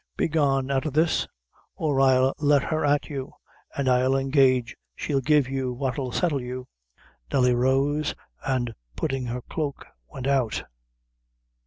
Begone out o' this, or I'll let her at you, an' I'll engage she'll give you what'll settle you." Nelly rose, and putting on her cloak went out.